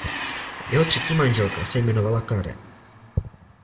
Jeho třetí manželka se jmenovala Karen.